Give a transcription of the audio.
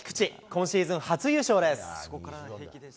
今シーズン初優勝です。